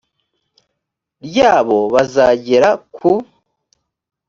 ryabo bazagera ku